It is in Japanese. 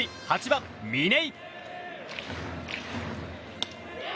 ８番、嶺井。